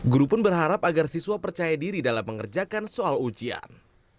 guru pun berharap agar siswa percaya diri dalam mengerjakan soal ujian